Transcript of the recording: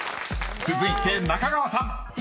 ［続いて中川さん］